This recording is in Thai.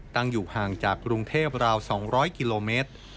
ตั้งอยู่ห่างจากกรุงเทพราว๒๐๐กิโลเมตร